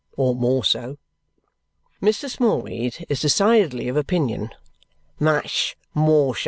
Or more so." Mr. Smallweed is decidedly of opinion "much more so."